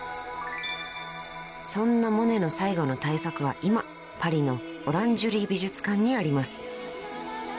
［そんなモネの最後の大作は今パリのオランジュリー美術館にあります］